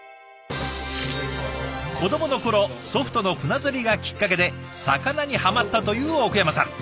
子どもの頃祖父との船釣りがきっかけで魚にはまったという奥山さん。